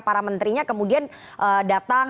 para menterinya kemudian datang